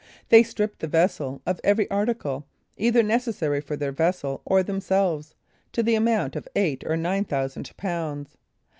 They stripped the vessel of every article, either necessary for their vessel or themselves, to the amount of eight or nine thousand pounds.